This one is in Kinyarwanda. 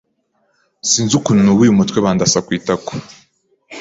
sinzi ukuntu nubuye umutwe bandasa ku itako